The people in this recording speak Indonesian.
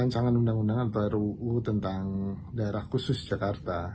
rancangan undang undang atau ruu tentang daerah khusus jakarta